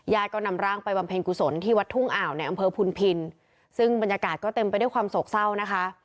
ก็นำร่างไปบำเพ็ญกุศลที่วัดทุ่งอ่าวในอำเภอพุนพินซึ่งบรรยากาศก็เต็มไปด้วยความโศกเศร้านะคะ